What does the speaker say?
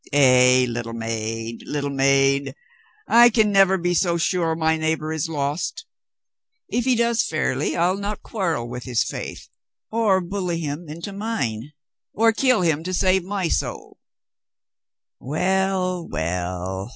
"Eh, little maid, little maid, I can never be so sure my neighbor is lost. If he does fairly I'll not quar rel with his faith, or bully him into mine, or kill him to save my soul. Well, well.